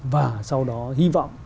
và sau đó hy vọng